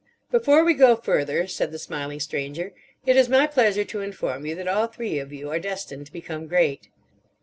"Before we go further," said the smiling Stranger, "it is my pleasure to inform you that all three of you are destined to become great."